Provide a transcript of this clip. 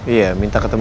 iya minta ketemu